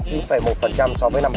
so với năm hai nghìn hai mươi